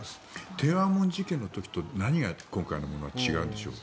天安門事件の時と何が今回は違うんでしょう。